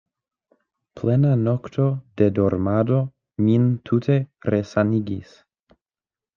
Plena nokto de dormado min tute resanigis.